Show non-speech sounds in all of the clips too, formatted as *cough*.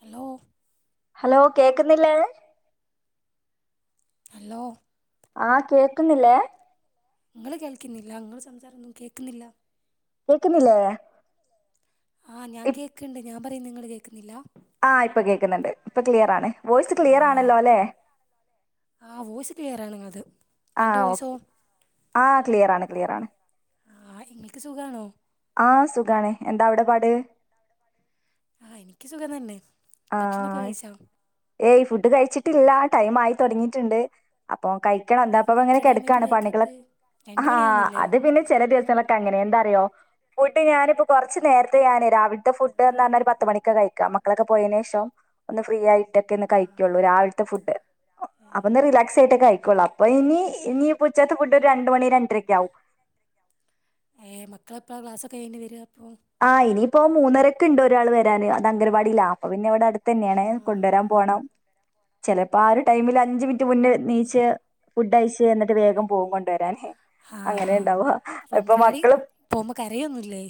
Hello hello കേക്കുന്നില്ലേ? Hello ആഹ് കേൾക്കുന്നില്ലേ? നിങ്ങൾ കേൾക്കിന്നില്ല നിങ്ങള് സംസാരന്നും കേക്കുന്നില്ല. കേക്കുന്നില്ലേ? ആഹ് ഞാൻ കേക്ക്ണ്ട് ഞാൻ പറയും നിങ്ങൾ കേക്കുന്നില്ല ആ ഇപ്പം കേക്ക്ന്നുണ്ട് ഇപ്പം ക്ലിയർ ആണ് വോയ്സ് ആ ക്ലിയർ ആണല്ലോ ല്ലെ ക്ലിയർ ആണ് നിങ്ങൾത് എന്റെ വോയ്സോ ആ ക്ലിയർ ആണ് ക്ലിയർ ആണ് ആഹ് ഇങ്ങക്ക് സുഖണോ? ആ സുഖാണ് എന്താ അവിടെ പാട് ആഹ് എനിക്ക് സുഖം തന്നെ ഭക്ഷണക്കെ ആഹ് കഴിച്ചോ? ഏയ് ഫുഡ് കഴിച്ചിട്ടില്ല ടൈം ആയി തുടങ്ങിയിട്ടുണ്ട് *unintelligible* പ്പൊ കഴിക്കണം അതെന്താ എന്താപ്പൊവ ഇങ്ങനെ ഇത്ര ടൈമായിട്ടും കെടക്കാണ് പണികളൊ കഴിക്കാത്തത് രണ്ട് അഹാ മണിയാവുന്നില്ലേ അത് പിന്നെ ചെല ദിവസങ്ങളൊക്കെ അങ്ങനെ എന്താറിയോ ഊട്ടി ഞാനിപ്പോ കൊറച്ച് നേരത്തെ ഞാന് രവിൽ തെ ഫുഡ്ന്നറിഞ്ഞാ ഒരു പത്ത് മണിക്ക് കഴി ക്ക മക്കളൊക്കെ പോയതിന് ശേഷം ഒന്ന് ഫ്രീ ആയി ട്ടൊക്കെ ഒന്ന് ആ കഴികുള്ളൂ രാവിൽത്തെ ഫുഡ് ഏ അപ്പൊന്ന് റിലാക്സ് ആയിട്ട് കഴി ക്കൊളാ അപ്പൊ ഇനി ഇനി പ്പൊ ഉച്ചത്തെ ഫുഡ് ഒരു രണ്ട്മണി രണ്ടരൊക്കെ ആവും ഏ മക്കള് എപ്പളാ ക്ലാസൊക്കെ കഴിഞ്ഞ് വെരാ ആഹ് ഇനിപ് ഇപ്പോ മൂന്നരക്ക്ണ്ട് ഒരാള് വരാൻ അത് അംഗൻവാടിലാ അപ്പ പിന്നെ ഇവിടെ അടുത്ത് ത്തെന്നെയാണ് കൊണ്ടുവരാൻ പോണം ചെലപ്പോ ആ ഒരു ടൈമില് അഞ്ച് മിനിറ്റ് മുന്നേ നീച്ച് ഫുഡയ്ച്ച്ന്നിട്ട് വേഗം പോകും കൊണ്ട് വരാ നെ ആ അങ്ങനെണ്ടാവാ അപ്പോൾ ഇപ്പൊ അംഗനവാടി മക്കളും പോകുമ്പോൾ കരയൊന്നുമില്ലേ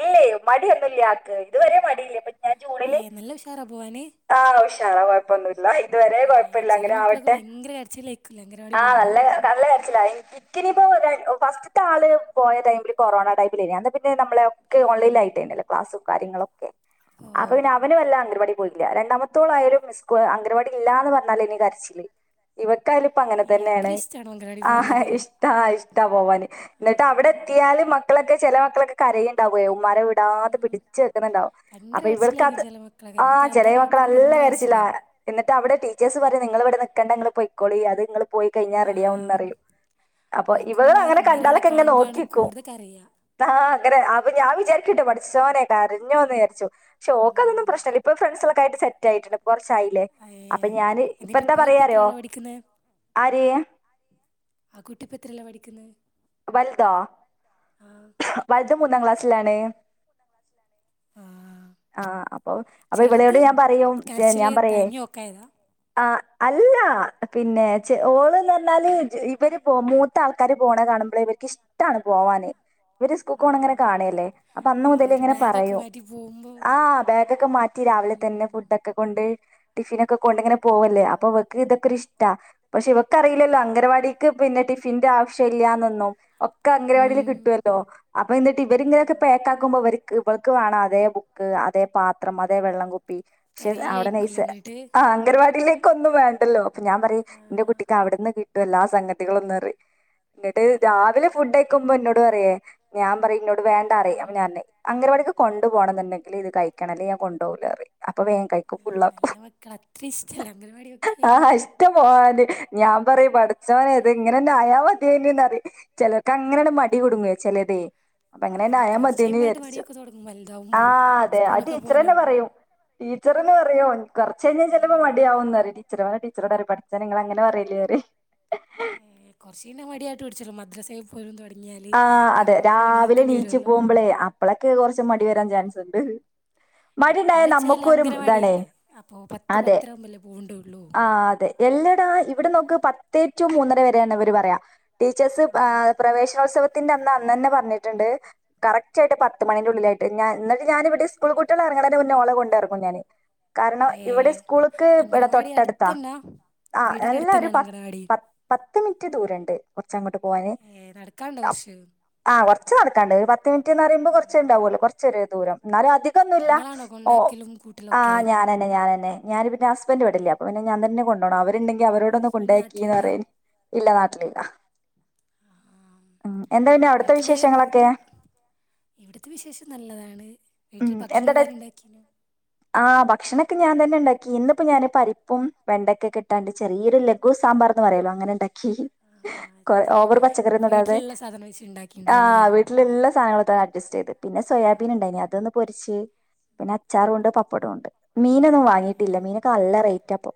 ഏ മടി ഒന്നുല്ല്യാ ആൾക്ക് ഇതുവരെ മടിയില്ല ഞാൻ ജൂണില് ഏ നല്ല ഉഷാറാണ് പോവാൻ ആ ഉഷാറാ കൊഴപ്പൊന്നുല്ല ഇതുവരെ ഏ കൊഴപ്പല്ല ചില അങ്ങനെ മക്കളൊക്കെ ആവട്ടെ ഭയങ്കര കരച്ചിലായിരിക്കൂലേ അംഗനവാടി ആ പോകുമ്പോ നല്ല നല്ല കരച്ചില എനിക്ക് നിയിപ്പോ ഒ ഫസ്റ്റ്ത്തെ ആള് പോയ ടൈമില് കൊറോണ ടൈമിൽ എന്നാ പിന്നെ നമ്മള് ആഹ് കാര്യങ്ങളൊക്കെ ഓ അപ്പ പിന്നെ അവനും അല്ല അംഗൻവാടി പോയില്ലേ ല് രണ്ടാമത്തോളയാലും മസ് അംഗവാടി ഇല്ലാന്ന് പറന്നാൽ നിക്ക് കരച്ചില് ഇവ ക്കാലിപ്പ അങ്ങനെ ഏ അത്ര തന്നെയാണ് ഇഷ്ടാണോ അംഗനവാടി പോകുന്നത് ഇഷ്ടാ പോവാന്ന്നിട്ട് അവിടെ ആഹ് എത്തിയാല് മ- മക്കളൊക്കെ ചില മക്കളൊക്കെ കരയും ണ്ടാവേ *unintelligible* വിടാത പിടിച്ച വെക്കുന്നുണ്ടാവും ഭയങ്കര അപ്പൊ ഇവർക്ക് കരച്ചിലായിരിക്കും ചില മക്കളൊക്കെ ആ എൻ്റെ ചെില താത്താൻ്റെ മക്കള മക്കളൊക്കെ അല്ല ഭയങ്കര കരിച്ചില്ല കരച്ചിലാ ദ അവിടെ ടീച്ചേർസ് പറയി നിങ്ങൾ അവിടെ നിൽക്കണ്ട നിങ്ങൾ പൊയ്ക്കോളി പോയി കഴിഞ്ഞാ റെഡി ആവുന്ന് ആഹ് അറിയും അപ്പൊ ഓൽക്ക് ഇവള് ഉമ്മാരെ അങ്ങനെ ഉമ്മാരെ അവിടെ കണ്ടാലൊക്കെ എന്നെ കാണുമ്പാണ് നോക്കിക്കും കൂടുതൽ കരയാ ആ ഒര് ആപ്പ് അപ്പം ഞാൻ വിചാരിക്കിട്ടെ പടച്ചോനെ കരഞ്ഞൊന്ന് വിചരിച്ചു ക്ഷേ ഓൾക്കതൊന്നും പ്രശ്നല്ല ഇപ്പ ഫ്രണ്ട്സൊക്കെ ആയിട്ട് സെ *unintelligible* കൊറച്ചായില്ലേ ഏ അപ്പൊ ഞാന് ഇപ്പ എന്നിട്ട് എന്താ ഇപ്പാക്ക് പറയാറിയോ എത്രയിലാ പഠിക്കുന്നെ ആര് ആ കുട്ടി ഇപ്പ എത്രയിലാ പഠിക്കുന്നെ വൽതാ ആ വലുത് മൂന്നാം ക്ലാസ്സിലാണ് ആ ആ അപ്പൊ അപ്പൊ ചെറുത് ഇവിലൊട് ഞാൻ പറയും കരച്ചിൽ ഞാൻ പറയുവേ തയങ്ങി ഒക്കായതാണ് ആ അല്ല പിന്നെ ചെ ഓള്ന്ന്റഞ്ഞാല് ഇവര് പോ മൂത്ത ആൾക്കാര് പോണ കാണുമ്പോൾ ഇവർക്ക് ഇഷ്ടാണ് പോവാന് ഇവര് സ്കൂക്ക് പോണ ഇങ്ങനെ ഫേസ്ബുക്ക് കാണിയല്ലേ അപ്പൊ അന്ന് കാണേ മുതലേ ഒരു ഇങ്ങനെ ബാഗൊക്കെ പറയൂ മാറ്റി പോകുമ്പോ ആ ബാഗൊക്കെ മാറ്റി രാവിലെ തന്നെ ഫുഡ് ഒക്കെ കൊണ്ട് ടിഫിനൊക്കെ കൊണ്ടിങ്ങനെ തന്നെ പോവല്ലേ അപ്പൊ ഇവക്ക് ഇതൊക്കെ ഒരു ഇഷ്ടാ പക്ഷെ ഇവക്കറിയില്ലല്ലോ അംഗനവാടിക്ക് പിന്നെ ടിഫിന്റെ ആവശ്യം ഇല്ലാന്നൊന്നും ഒക്കെ അംഗനവാടീൽ കിട്ടുവ ട്ടൊ അംഗനവാടില് അപ്പൊ എന്നിട്ട് ഇവരിങ്ങനൊക്കെ പേത്താക്ക്ബോ ഇവര് ക്ക് ഇബൾക്ക് വാണം അതേ ബുക്ക് അതേ പാത്രം അതേ വെള്ളം കു പക്ഷെ അവടെ നയിസ കരയായിരിക്കുല്ലേ എന്നിട്ട് ആ അംഗനവാ ഇല്ലേക്ക് ഒന്നും വേണ്ടല്ലോ ഞാൻ പറയും എന്റെ ആഹ് കുട്ടിക്ക് അവിടന്ന് കിട്ട് എല്ലാ സംഗതികളും ഒന്നു റി എന്നിട്ട് ഏഹ് രാവിലെ ഫുഡ് ക്കുമ്പോ എന്നോട് പറയെ ഞാൻ പറയും ഇന്നോട് വേണ്ടറയും അപ്പോഞറഞ്ഞു അങ്ങനവാടിക്ക് കൊണ്ടു പോകണം എന്നുണ്ടെങ്കിൽ ഇത് കഴിക്കണം അല്ലെന്കി ഞാൻ കൊണ്ടുപോവൂലറയും ഇപ്പൊ വേഗം കഴിക്കും ഏഹ് ഫുുള്ളാക്കും നല്ല മക്കള അത്ര ഇഷ്ടല്ല അംഗൻവാടിയൊക്കെ ആ ഇഷ്ടം പോല് ഞാൻ പറയും പഠിച്ചവനെ ത് ഇങ്ങനെന്നെ ആയാ മതിയെനി ന്ന് പറയും ചിലർക്ക്ങ്ങനെയാണ് മടി കുടുങ്ങുവെ ചെലതെ അപ്പൊ ഇങ്ങനെന്നെ ആഹ് ആയാ കുറച്ച് മതിയെന്ന് കഴിയുമ്പോഴായിട്ട് വിചാരിച്ചും മടിയൊക്കെ തുടങ്ങും ആ വലുതാവുമ്പോ അതെ ആ സ്കൂളൊക്കെ ടീച്ചർന്നെ പോകാനാവുമ്പോ പറയൂ ടീച്ചർന്ന് പറയോ കുറച്ച് കഴിഞ്ഞാ ചെലപ്പം മടിയവുന്ന ടീച്ചർ ഓനെ ടീ *unintelligible* പഠിച്ചാനെ നിങ്ങൾ അങ്ങനെ പറയല്ലി പറിം ഏ കോർച്ചിനി മടിയായിട്ട് *unintelligible* മദ്രസ *unintelligible* ആ അതെ രാവിലെ നീച്ച വരുമല്ലോ പോകുമ്പോളെ അപ്പളൊക്കെ കുറച്ച മടി വരാൻ ചാൻസ് ഇണ്ട് മടി ഇപ്പ ഇണ്ടായ വെച്ചാല് നമ്മക്കൊ ഒരു ഇതാണേ അംഗനവാടിയല്ലേ അപ്പൊ പത്ത് അതെ പത്തര ആവുമ്പല്ലേ പോകണ്ടുള്ളൂ ആ അതെ എല്ലടാ ഇ ഇവിടെ നോക്ക് പത്തേ റ്റു മൂന്നര വരെയാണ് അവര് പറയാ ടീച്ചേഴ്സ് ആഹ് എ പ്രവശ ഉത്സവത്തിന്റെ അന്ന് അന്നെ പറഞ്ഞിട്ടുണ്ട് കറക്റ്റ് ആയിട്ട് പത്ത് മണിന്റെ ഉള്ളിയിട്ട് ഞാ എന്നട്ട് ഞാന ഇവിടെ സ്കൂൾ കുട്ടികള ഇറങ്ങാന്നതിനു മുന്നെ മ ഓള കൊണ്ടായിറങ്ങ ഞാന് കാരണം ഇവിടെ ഏഹ് സ്കൂൾക്ക് ഇവിടെ അംഗനവാടി തൊട്ടടുത്താ അടുത്തന്നാ ആ വീടിന്റെ നല്ലാം ഒരു അടുത്തന്നാണോ പ അംഗനവാടി പ പത്ത് മിനിറ്റ് ദൂരംരണ്ട് ച്ച അങ്ങോട്ട് പോവാന് ഏഹ് നടക്കാണ്ടോ കുറച്ച് ആ കൊറച്ച് നടക്കാണ്ട് പത്ത് മിനിറ്റ്ന്ന് പറയുമ്പോ കുറച്ചുണ്ടാവൂല്ലോ കൊറ ചെറിയ ദൂരം ന്നാൽ അധികൊന്നുല്ല ഇങ്ങളാണോ ഓ കൊണ്ടാക്കലും ആ കൂട്ടലൊക്കെ ഞാനെന്നെ ഞാനെന്നെ ഞാന് പിന്നെ ഹസ്ബൻ്റ് ഇവിടെ ഇല്ല അപ്പ പിന്ന ഞാൻ തന്നെ കൊണ്ടോണം അവര് ണ്ടെങ്കി അവരോടൊന്ന് ഹസ്ബൻഡ് കൊണ്ടാക്കീന്ന് നാട്ടിലില്ല പറയല് ഇല്ല നാട്ടിലില്ല. ആഹ് വീട്ടില് ഇവിടത്തെ വിശേഷം നല്ലതാണ്. വീട്ടിൽ ഭക്ഷണൊക്കെ ആരാ ഇണ്ടാക്കീന്. ആഹ് ഭക്ഷണ ക്കെ ഞാൻ തന്നെ ഉണ്ടാക്കി ഇന്ന്പ്പ് ഇപ്പ ഞാൻ പരിപ്പും വെണ്ടക്കെയിട്ടാണ്ട് ചെറിയൊരു ലഘു സാമ്പാർന്ന് പറയല്ലോ അങ്ങനെ ഇണ്ടാ കൊ ഉണ്ടാക്കി ഓവർ പച്ചക്കറിയൊന്നും ഇടാതെ വീട്ടിലുള്ള സാധനം വെച്ച് ഉണ്ടാക്കിണ്ടാവൂലേ ആഹ് വീട്ടില്ള്ള സാധനങ്ങളൊക്ക് *unintelligible* അഡ്ജസ്റ്റ് ചെയ്ത് പിന്നെ സോയാബീൻ ഇണ്ടായിന് അത് അതൊന്ന് പൊരിച്ച് പിന്നെ അച്ചാറൂണ്ട് ഓഹ് പപ്പടോം ഇണ്ട് മീനൊന്നും വാങ്ങിയിട്ടില്ല മീനൊക്കെ നല്ല റേറ്റ് ഇപ്പൊ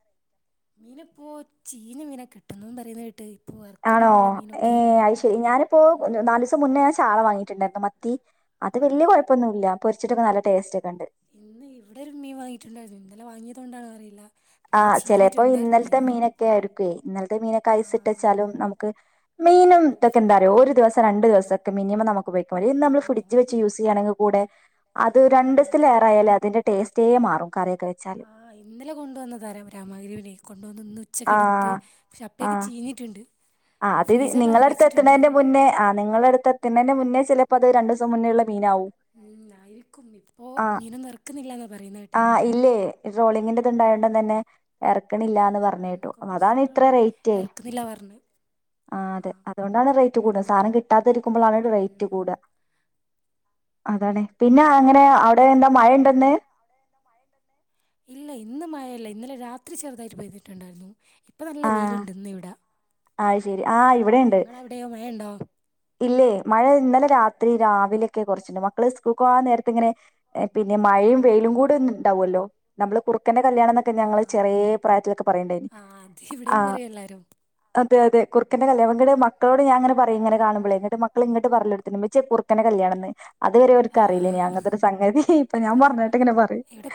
മീന് ഇപ്പോ ചീഞ്ഞ മീനാ കിട്ടുന്നൂന്ന് പറയുന്ന കേട്ട്. ഇപ്പോ ആണോ ഇറക്കുന്നൊന്നുല്ല ഏ മീനൊക്കെന്ന് അയ് ശരി ഞാനിപ്പോ ഉം നാല് ദിവസം മുന്നേ ഞാൻ ചാള വാങ്ങി ട്ട്ണ്ടായിരുന്നു മത്തി അത് ആഹ് വെല്ല്യ കൊഴപ്പൊന്നും ഇല്ല പൊരിച്ചിട്ടൊക്കെ നല്ല ടേസ്റ്റാ ഇന്ന് ഇവിടെ ഒരു മീൻ വാങ്ങിട്ടുണ്ടായിരുന്നു ഇന്നലെ വാങ്ങിയ അതുകൊണ്ടാണോന്ന് അറിയില്ല നല്ല ആഹ് ചെലേപ്പം ചീഞ്ഞിട്ടുണ്ടായിരുന്നു ഇന്നലത്തെ മീന് മീനൊക്കെ ആയിരുക്കെ ഇന്നല്ത്തെ മീനൊക്കെ അയ്സിട്ട് വച്ചാലും ആഹ് നമുക്ക് മീനുംതൊക്കെ എന്താറിയൊ ഒരു ദിവസം രണ്ടു ദിവസ ത്തൊക്കെ മിനിമം നമു *unintelligible* കൊറെയല്ലാം ഉം നമ്മള് ഫ്രിഡ്ജ് ഞങ്ങള് വെച്ച് യൂസെയ്യാണെങ്കില് കൂടെ അത് രണ്ടീസ്ത്തിലേറായാലെ അതിന്റെ ടേസ് റ്റേ മാറും കറിയൊക്കെ വെച്ചാല് ആ ഇന്നലയാ കൊണ്ടുവന്നത് ാര രാരാമഗരിവി വി നക്കൊണ്ട് *unintelligible* കൊണ്ടൊന്നു ഇന്ന് ഉച്ചക്കെ എടുത്ത് പക്ഷെ അപ്പേക്ക് ചീഞ്ഞിട്ടുണ്ട് ആ അത് നിങ്ങളെ ഫ്രീസറിലായിരുന്നു അടുത്ത് എത്തണേൻ്റെ വെച്ചിട്ടുണ്ടായിരുന്നത് മുന്നേ ആ നിങ്ങളെ അടുത്ത് ണേൻ്റെ മുന്നേ മ ചെലപ്പോ അത് രണ്ടീസം മുന്നേള്ള ഉം ആയേക്കും ഇപ്പോ ആഹ് മീനൊന്നും ഇറക്കു ന്നില്ലാന്ന പറയുന്ന കേട്ടെ ട്രോളിങ്ങിന്റെദ് ഉം ണ്ടായതുകൊണ്ട്ന്നെ എ റക്കണില്ലാന്ന് പറയുന്ന ആഹ് കേട്ടു എന്തൊക്കോ അതാണ് ഇത്രെ പ്രശ്നങ്ങളുണ്ട് റേറ്റ് ഇറക്കുന്നില്ല പറഞ്ഞ് ആ അതെ ആഹ് അതോണ്ടാണ് റേറ്റ് കൂടാ സാനം കിട്ടാതിരിക്കുമ്പോ ആണ് റേറ്റ് കൂടാ ഉം അതാണ് പിന്നെ അങ്ങനെ അവടെ എന്താ ഹലോ മഴണ്ടോന്ന് ഇല്ല ഇന്ന് മഴ ഇല്ല ഇന്നലെ രാത്രി ചെറുതായിട്ട് പെയ്തിട്ടുണ്ടായിരുന്നു ഇപ്പം നല്ല ആ വെയിലുണ്ട് ഇന്ന് ഇവിടെ അത്ശരി ആ ഇവിടെയുണ്ട് നിങ്ങളവിടെയോ മഴയുണ്ടോ ഇല്ല്യെ മഴ ഇന്നലെ രാത്രി രാവിലെക്കെ കൊറച്ച്ണ്ട് മക്കൾ സ്കൂൾക്ക് പോവാൻ നേരത്ത് ഇങ്ങനെ പിന്നെ മഴയും വെയിലും കൂടെ ണ്ടാവുല്ലോ നമ്മൾ കുറു ക്കൻ്റെ കല്യാണം ന്നൊക്കെ ആ ഞങ്ങൾ ചെറിയ പ്രായത്തിൽ പറയണ്ടായ്നി ഇവിടേം പറയും എല്ലാരും അതെ അതെ കുറുക്കൻ്റെ കല്യാണം ങ്ങട് മക്കളോട് ഞാങ്ങനെ പറീം ഇങ്ങനെ കാണുമ്പയ് പറയലോട്ത്തി മ്മചിയെ കുറുക്കൻ്റെ കല്യാണം ന്ന് അതുവരെ ഓർക്ക് ആ അറിലേനി അങ്ങനത്തെ ഒരു സംഗതി പോ ഞാൻ പറഞ്ഞേ കേട്ട് ട്ട് ങ്ങനെ പറിം ഇവിടെ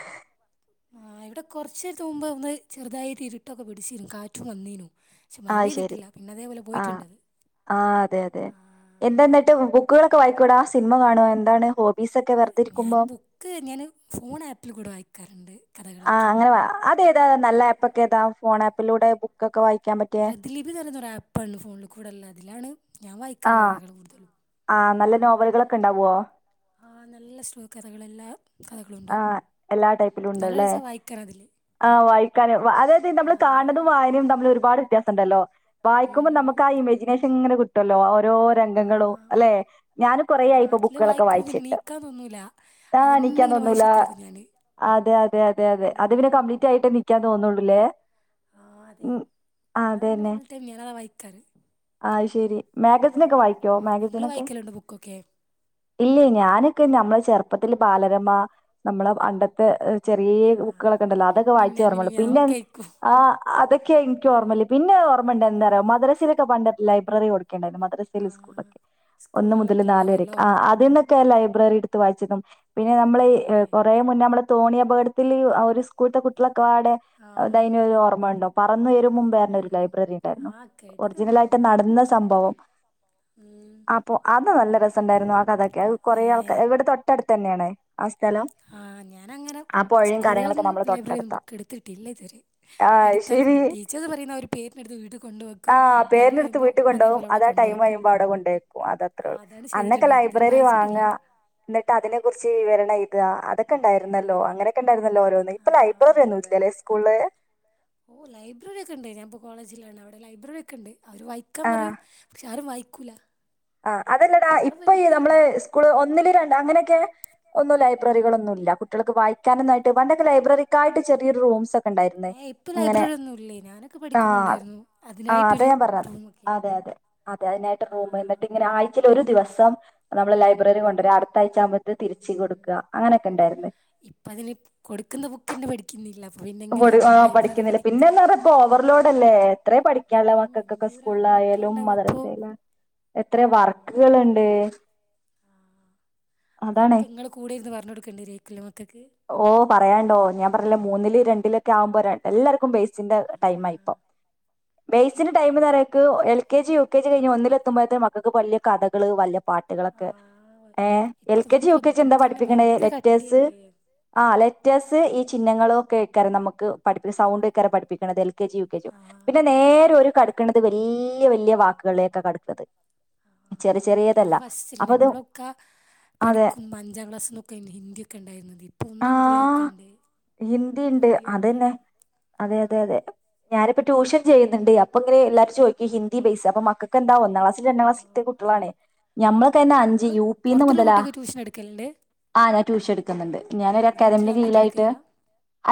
ആ ഇവിടെ കുറച്ച് നേരത്തെ മുമ്പ് ഒന്ന് ചെറ്തായിട് ഇരുട്ടൊക്കെ പിടിച്ച് കാറ്റും വന്നിനു ആശരി ആ ആ അതെ അതെ ആ എന്താന്നട്ട് ബൂ ക്ക്കൾ ഒക്കെ വായിക്കോടാ സിനിമ കാണോ എന്താണ് ഹോ ഞാൻ ബുക്ക്ങ്ങനെ ഫോൺ ആപ്പില്കൂടെ വായിക്കാറുണ്ട് ആഹ കഥകളൊക്കെ അങ്ങനെ വാ അതെ അത നല്ല ആപ്പ ഒക്കെ താ ഫോൺ ആപ്പിലൂടെ ബുക്കൊക്കെ വായി പ്രദലീപി എന്ന് പറയുന്നൊ ആപ്പ്ാണ് ഫോണിൽ കൂടെല്ല അതിലാണ് എഞവ ഇക്കറ കത ആഹ് ഇടെ കുടുതൽ ആഹ് നല്ല നോവല്കളൊക്കെണ്ടാവോ ആ നല്ല സ്റ്റോ കഥകളെല്ലാ കഥകളും ഉണ്ടാവും ആഹ് എല്ലാ നല്ല ടൈപ്പിലുണ്ട്ല്ലേ രസം വായിക്കാൻ അതിൽ ആ വായിക്കാന് വാ അതായത് ആ നമ്മള് കാൺണതും വായനയും തമ്മില് ഒരുപാട് വ്യത്യാസണ്ടല്ലോ വായിക്കുമ്പം ഉം, നമ്മക്കാ ആ ഇമേജിനേഷങ്ങനെ കി ട്ടല്ലൊ ഓ രോ ആ രംഗങ്ങളു അല്ലെ ഞാന് കൊറേ ആ ആയിപ്പം അതിൽ ബുക്കളൊക്കെ വായിക്കുമ്പോൾ പിന്നെ വായിച്ചിട്ട് എണീക്കാൻ തോന്നൂല ഇട്ടാണി അതെന്നെ ക്കാൻ ഇങ്ങനെ തോന്നൂല. വായിച്ചു കുത്തിരിക്കും ഞാൻ അതെ അതെ അതെ അതെ അത് പിന്നെ ഉം. കംപ്ലീറ്റായിട്ടെ എണീക്കാ തോന്നൊള്ളുല്ലേ ആ തെ ഞാന തന്നെ ഫുൾ ടൈം ഞാനത വായിക്കാറ്. ശെരി മാഗസിനെക്കെ വായിക്കോ നിങ്ങൾ മാഗസിനൊക്കെ വായിക്കലുണ്ടോ ബുക്കൊക്കെ ഇല്ലേ ഞാനൊക്കെ നമ്മെ ചെർപ്പത്തില് ബാല രമ്മ നമ്മളെ പണ്ടത്തെ ഏ ചെറിയ ആ ബുക്കുകളൊക്കെണ്ടല്ലോ അതൊക്കെ പിന്നെ വായിച്ച ര്ന്നൊളൂ ഞാൻ പിന്നെ ഒക്കെ ആയിക്കും ആ അതൊക്കെ ഇൻക്കോർമ്മല്ലെ പിന്നെ ഓർമ്മ ണ്ടെന്താ റ്യോ മദ്രസയില്ക്കെ പണ്ട് ലൈബ്രറി കൊട് ക്കേണ്ടേന്നു മദ്രസയിലും ആഹ് സ്ക്കൂളിലൊക്കെ ഒന്ന് മുതൽ സ്കൂളുകളിലൊക്കെ നാല് വെരെക്കെ ഉണ്ടാവുമല്ലോ ആ അതെന്നെ ക്ക ലൈബ്രറി ട്ത്ത് വായിച്ചതും പിന്നെ നമ്മള് അ് ഏഹ് കൊറേ മുന്നേ നമ്മള് തോണി അപടത്തില് ആ ഒരു സ്കൂൾത്തെ കുട്ട്യാളൊ ക്കാടെ ഇതായ്‌ ആഹ് ന്യോരോർമ്മണ്ടോ പറന്നു വരു ഉം മുമ്പേർഞ്ഞൊരുലൈബ്രറി ണ്ടായിരുന്നു ആഹ് കേട്ട്ക്ക്ന്ന്ക്കു ഒറിജിനലായിട്ട് നടന്ന സംഭവം ഉം അപ്പൊ അത് നല്ല രസണ്ടായിര്ന്നു ആ കഥക്കെ അഅ് കൊറേ ആൾക്ക ഇവടെ തൊട്ടട് തന്നെണ് ആ ഞാനങ്ങനെ ആ പുഴയും കാര്യങ്ങളൊക്കെ സ്കൂളുകളൊന്നും നമ്മളെ ലൈബ്രറിന്നും തൊട്ടടുത്താ ബുക്ക് എട്ത്തിട്ടില്ലതുവരെ ആഹ് എട്ത്താലും ശരി ടീച്ചർസ് പറയുന്ന ആഒരു പേരിനെട്ത്ത് വീട്ട്കൊണ്ട് വെക്കും ആഹ് ടൈം പേരിന്റെടുത്ത് കയുമ്പോ വീട്ടിൽ കൊണ്ടോകും അതേപോലെ അവടെ അത് ആ കൊണ്ട് ടൈം വെക്കും കഴിയുമ്പോ അവിടെ കൊണ്ടേക്കും അതത്രേ ഉള്ളൂ അതാണ് അന്നൊക്കെ ചെയ്തിട്ടുണ്ടയ്ര്ന്നെ ഇത് വരെ ലൈബ്രറി വായിച്ചിട്ടില്ല. *unintelligible* ളെയ്താ അതെ ക്കണ്ടായിര്ന്നല്ലോ അങ്ങനെക്കെ ണ്ടായിരുന്നല്ലോ ഓരോന്ന് ഇപ്പൊ ആഹ് ലൈബ്രറി ഒന്നുല്ലല്ലേ സ്കൂൾള് ഓഹ് ലൈബ്രറി ഒക്കെ ഉണ്ട് ഞാനിപ്പോൾ കോളേജിലാണ് ലൈബ്രറി ഒക്കെണ്ട് അവര് വായിക്കാൻ പറയും പക്ഷെ ആരും വായി ക്കൂലാ ആ അതല്ലടാ ഇപ്പ ഇ നമ്മള് സ്കൂള് ഒന്നില് രൺ അങ്ങനെ റ്റ് ഒന്നും ഉം ലൈബ്രറികളൊന്നുംല്ല കു ട്ട്യാളൊക്ക വായിക്കാനൊന്നു ആയിട്ട് പണ്ടൊക്കെ ലൈബ്രറിക്കായ്ട്ട് ചെറിയ റൂംസാെക് ഏ ഇപ്പൊ ലൈബ്രറി ഒന്നുല്ലേ ഞാനൊക്കെ ആഹ് പഠിക്കുമ്പോുണ്ടായിരുന്നു ആഹ് അതാ അതിനായിട്ടൊരു ഞാൻ പറഞ്ഞത് റൂമ ഒക്കെ അതെ ആ ആഴ്ചൽ ഒരു ദിവസം നമ്മള് ലൈബ്രറി കൊണ്ടുവരരാ അടുത്താഴ്ച ആകുമ്പ തിരിച്ച് ഉം കൊടുക്കുക അങ്ങനൊക്കെ ഉണ്ടായിരുന്ന ഇപ്പ അതിന് കൊടുക്കുന്ന ബുക്ക്ന്നെ പഠിക്കുന്നില്ല അപ്പൊ പിന്നെ എങ്ങനാ ആ ലൈബ്രറി പഠിക്കുന്നില്ല പിന്നെ പഠിക്കുക എന്താ പറ ഇപ്പ ഓവർലോഡ് അല്ലേ എത്രയും പഠി ള്ള ഉം മക്കക്കൊക്കെ എന്തൂരാ സ്കൂളായാലും പഠിക്കാണ്ടാവപ്പോ മദരസയില എത്ര വർക്കലെയുണ്ട് ആഹ് അതൊക്കെ ഇങ്ങള് കൂടെ ഇരുന്ന് പറഞ്ഞഞ്ടുക്കണ്ട മക് ഓ പറയണ്ടോ ഞാൻ പറഞ്ഞില്ല മൂന്നില് രണ്ടില് വുമ്പോൾ എല്ലാവർക്കും ബേസിന്റെ ടൈം ആയി ഇപ്പ ബേ്സിന്റെ ടൈം എ പറക്ക് L K G U K G കഴിഞ്ഞ് ഒന്നില എത്തുമ്പോഴത്തെ മക്കൾക്ക് വലിയ കഥകള് വ പാട്ടുകളൊക്കെ ആഹ് ഏ എൽ ഇപ്പത്തെ കെ ജി യു മക്കളെ കെ ജി ബുക്ക് എന്താ തന്നെ പഠിപ്പിക്കണ ഭയങ്കര ലെറ്റേഴസ് കട്ടിയല്ലേ ആ് ലെറ്റേഴ്സ് ഈ ചിഹ്നങ്ങളും ഒക്കെ കേക്കാാര നമുക്ക് പഠിപ്പിക്ക സൗണ്ട് ക്കാറ പഠിപ്പിക്കണത് L K G U K G പഠിപ്പിക്കണത് പിന്നെ നേരെ ഒരു കടക്കണത് വലിയ വലിയ വാക്കുകളെയക്കെ കിടക്കുന്നത് ഇപ്പൾ ഫസ്റ്റില്ല നമ്മളൊക്കെ അതെ പഠിക്കുമ്പ അഞ്ചാം ക്ലാസ്ന്നൊക്കെതി ഹിന്ദിയൊക്കെ ഉണ്ടായിരുന്നത് ഇ ആ ഹിന്ദിയുണ്ട് ഹിന്ദിയൊക്കെ അതെന്നെ ആ അതെ അതെ അതെ ഞാനിപ്പൊ ട്യൂഷൻ ചെയ്യുന്നുണ്ട് അപ്പൊ ഇങ്ങെ എല്ലാരും ചോദിക്കി ഹിന്ദി ബേസ് അപ്പൊ മക്കക്ക് എന്ത ഒന്നാം ക്ലാ ന്നാം രണ്ടാം ക്ലാസിലത്തെ കുട്ടികളാണ് ഞമ്മൾ കഴിഞ്ഞ കുട്ടികളാണ് ഏ അഞ്ച് ഇങ്ങള് യു പിന്ന് പുറത്തുള്ള മുതലാ കുട്ടിക്ക് ട്യൂഷൻ എടുക്കലുണ്ട് അന്നേ ട്യൂഷൻ എടുക്കുന്നുണ്ട് ഞാനൻ ഒരു വീട്ടിൽ അക്കാദമിന്റെ വന്നിട്ട് കീഴായിട്ട് എടുക്കയ്യ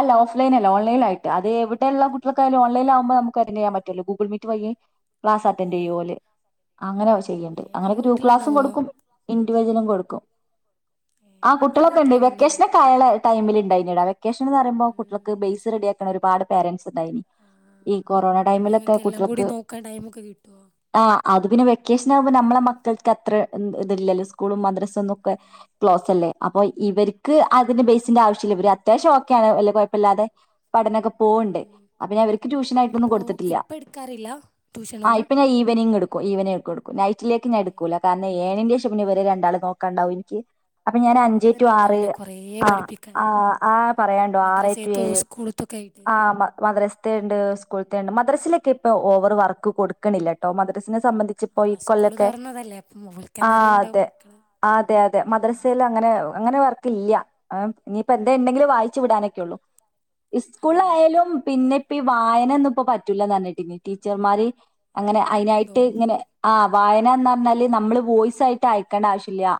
അല്ല ഓഫ്ലൈന അല്ല ഓൺലൈനൽയി അത് എവിടെയുള്ള ആ കുട്ടൾക്കായാല ഓൺലൈ ആകുമ്പോ നമ്മക്ക് അറ്റാൻഡ് ചെയ്യൻ പറ്റോ ഗൂഗിൾ മീറ്റ് വഴി ക്ലാസ് ഏ അറ്റൻഡ ചെയ്ല അങ്ങനെ ചെയ്യണ്ടേ ഏ അങ്ങന കൊറെ ഗ്രൂപ്പ്‌ ക്ലാസും കുട്ടികളുണ്ടാവോ കൊടുക്കും ഇൻഡിവിജ്വലും കൊടുക്കും ഏ ആ കൊറെ കുട്ടികളൊക്കെ ഉണ്ട് വ ഉണ്ടോ വെക്കേഷന് ആയല്ലേ ടൈമിണ്ടായിതിനിടാ വെക്കേഷൻ എ പറുമ്പോൾ ഉം കുട്ടികൾക്ക് ബ്സ് റെഡിയാക്കണൊ ഒരു പാട് പരൻറ്സ് സ് ആ ഇണ്ടായിന്നെ കൊറോണ അപ്പൊ മൊക്കെ നിങ്ങൾക്ക് എല്ലാം കൂടി കുട്ടികക്ക് നോക്കാൻ ടൈമൊക്കെ കിട്ടുവോ ആ അത് പിന്നെ വെക്കേഷൻ ആകുമ്പോൾ നമ്മളെ മക്കൾക്ക് അത്ര ഇത്ല്ലല്ലോ സ്കൂളും മദ്രസന്നൊക്കെ ക്ലോസ് അല്ലേ അപ്പൊ ഇവർ ക്ക്‌ ആ അതിന്റെ ബേസിന്റെ ആവശ്യമില അത്യാവശ്യം ഓക്കെയാണ് വല്ല കുഴപ്പമില്ലാതെ പഠനൊക്കെ പോണ്ട് ഉം അപ്പ പിന്നെ അവർക്ക് ട്യൂഷനായിയിട്ടൊന്നും അപ്പോ കൊടുത്തിട്ടില്ല ഇപ്പ എടുക്കാറില്ല ആ ട്യൂഷനൊന്നും ഇപ്പ ഞാൻ ഈവെനിംഗ് എടുക്കും ഈവനിങ് എടുക്കും എടുക്കും നൈറ്റിലേക്ക് ഞാൻ ഈവനിങ് എടുക്കൂല കരനെ ഏണന്റെ ശേഷം ഇവരെ രണ്ടാൾ നോക്കാണ്ടാവും എനിക്ക് അപ്പൊ ഞാൻ ഏഴരന്റെ ശേഷം പിന്നെ ഇവരെ രണ്ടാളെ നോക്കാണ്ടാവും ഓര് അഞ്ച് ടു തന്നെ ആറ് ഉണ്ടാവൂലേ കൊറേ ആ ആ പഠിപ്പിക്കാന് ആ പറയാണ്ടോ ആറേറ്റു മദ്രസേത്തും ഏഴ് സ്കൂളത്തൊക്കെ ആയിട്ട് ആഹ് മദ്രസത്ത ഉണ്ട് സ്കൂളത്ത ഉണ്ട് മ മദ്രസിലക്ക ഇപ്പോ ഓവർ വർക്ക് കൊടുക്കണില്ല കേട്ടോ മദ്രസിന് സംബന്ധിച്ചപ്പോ ഈ ആഹ് സ്കൂള് കൊല്ലൊക്കെ തുറന്നതല്ലേ അപ്പം ആ ഓൽക്കന്നെ അറിയലുണ്ടാവും അതെ മക്കള് ആഹ് അതെ അതെ മദ്രസൽ അങ്ങനെ അങ്ങനെ വർക്കില്ല ഇനിയിപ്പ എന്താ ഉണ്ടെങ്കിലും വായിച്ചു വിടാനൊക്കെള്ളു സ്കൂള ആഹ് ആയാലും പിന്നെ പ്പ ഈ വായനൊന്നുംപ്പ പറ്റൂലാന്ന് പറഞ്ഞേട്ടിനി ടീച്ചർമാര് ഏഹ് അങ്ങനെ അങ്ങനെയൊക്കെ ഉണ്ടോ അയിനാട്ട് ഇങ്ങനെ ആ വായനന്ന് പറഞ്ഞാല് നമ്മള് വോയിസ് ആയിട്ട് അയക്കേണ്ട ആവശ്യല്ല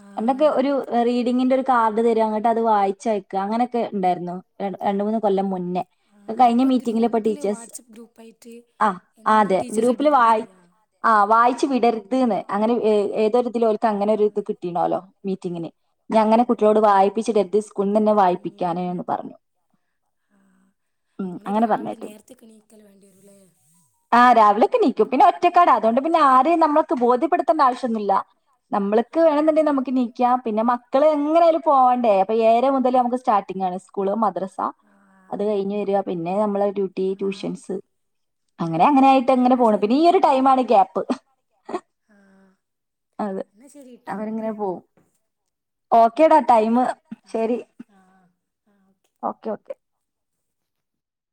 ആഹ് എന്തൊങ്ങി ഒരു റീ ഇങ്ങിന്റെ ഒരു കാർഡ് തരും അങ്ങിട്ട് അത് വായിച്ചയക്ക അങ്ങനെയൊക്കെ ണ്ടായിരുന്നോ ര രണ്ട മൂന്ന് കൊല്ലം മുന്നേ ല്ല ആഹ് കഴിഞ്ഞ ഇപ്പൊ മീറ്റിംഗില് പ്പൊ ഗ്രൂപ്പില് ടീച്ചേർസ് വാട്സപ്പ് ഗ്രൂപ്പായിട്ട് ആ എന്തു അതെ ടീച്ചേഴ്സ് ഗ്രൂപ്പില് ഇടുകയാണല്ലോ വായി ചെയ്യാ അ വായി ച്ച് വിടര്ത് അങ്ങനെ എ ഏതൊരു ഇക്ക് അങ്ങനെ ഒരു ഇത് കിട്ടീണോലോ മീറ്റിങ്ങിന് ഞാൻ അങ്ങനെ ഓഹ് കുട്ട്യോളോട് വായിപ്പിച്ചിട്ടത് സ്കൂള്ന്നെന്നെ വായിപ്പിക്കാനാ പറഞ്ഞു ആ ഉം ങ്ങള് അങ്ങനെ രാവിലെ പറഞ്ഞേട്ട് നേരത്തെക്കെ നീക്കല് വേണ്ടി വരുല്ലേ രാവിലൊക്കെ നീക്കും പിന്നെ ഒറ്റക്കാരാ അതുകൊണ്ട് പിന്നെ ആരെ നമ്മക്ക് ബോധ്യപ്പെടുത്തണ്ട ആവശ്യംന്നുല്ല നമ്മൾക്ക് വേണെന്നുണ്ടെങ്കിൽ ആഹ് നമ്മക്ക് നീക്കാ പിന്നെ മക്കള് എങ്ങനെ ക്ക് പോകണ്ടേ അപ്പൊ ഏഴര മുതൽ നമ്മക്ക് സ്റ്റാട്ടിങ്ങാണ് സ്കൂള് മദ്രസ് ആഹ് അത് കഴിഞ് വെര പിന്നെ ഞമ്മള് ഡ്യട്ടി ആഹ് ഓ ട്യൂഷൻസ് അങ്ങനെ ഉം അങ്ങനൊയിട്ട് അങ്ങനെ എന്നാ പോ പിന്നെ ഈ ശരിട്ടോ ഒരു ടൈമാണ് ക്യാപ്പ് ആഹ് അത് എന്നാ ശരിട്ടോ അതങ്ങനെ പോവും ഓക്കേടാ എന്നാ ടൈമ് ഓക്കെ ആ ശെരി ഓക്കെ ആ ആ ഓക്കെ ഓക്കെ